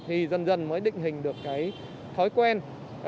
thì dân dân mới định hình được cái thói quen